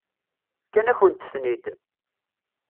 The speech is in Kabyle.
Fkan-akent-ten-id.